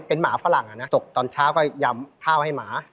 เป็นหมาฝรั่งตกตอนเช้าก็ยำข้าวให้หมา